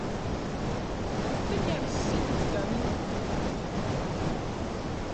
¿Ken niajsitis kanin?